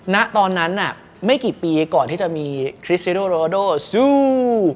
ณตอนนั้นไม่กี่ปีก่อนที่จะมีคริสซิโรโดสู้